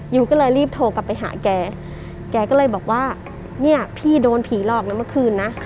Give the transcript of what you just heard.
ยูก็เลยรีบโทรกลับไปหาแกแกก็เลยบอกว่าเนี่ยพี่โดนผีหลอกนะเมื่อคืนนะ